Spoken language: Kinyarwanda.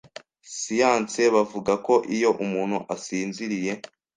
Science bavuga ko iyo umuntu asinziriye